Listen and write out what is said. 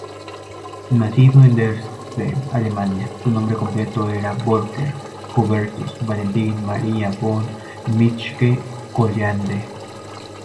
Nacido en Dresde, Alemania, su nombre completo era Volker Hubertus Valentin Maria von Mitschke-Collande.